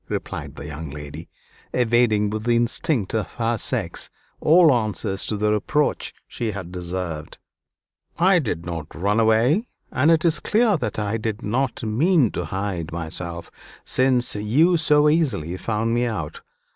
replied the young lady, evading, with the instinct of her sex, all answer to the reproach she had deserved. "I did not run away; and it is clear that I did not mean to hide myself, since you so easily found me out.